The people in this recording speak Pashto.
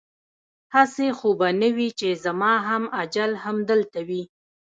هسې خو به نه وي چې زما هم اجل همدلته وي؟